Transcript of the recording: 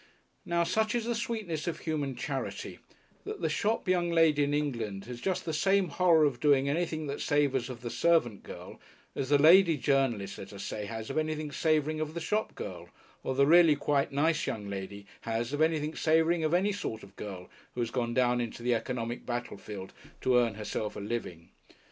Now, such is the sweetness of human charity, that the shop young lady in England has just the same horror of doing anything that savours of the servant girl as the lady journalist, let us say, has of anything savouring of the shop girl, or the really quite nice young lady has of anything savouring of any sort of girl who has gone down into the economic battlefield to earn herself a living....